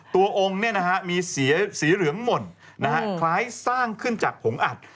องค์มีสีเหลืองหม่นคล้ายสร้างขึ้นจากผงอัด